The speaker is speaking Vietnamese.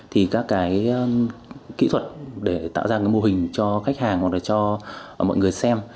thì các cái kỹ thuật để tạo ra cái mô hình cho khách hàng hoặc là cho mọi người xem